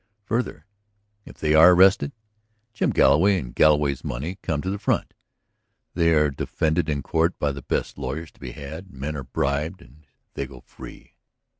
Further, if they are arrested, Jim Galloway and Galloway's money come to the front; they are defended in court by the best lawyers to be had, men are bribed and they go free.